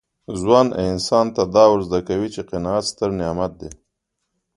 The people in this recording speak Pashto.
ژوند انسان ته دا ور زده کوي چي قناعت ستر نعمت دی.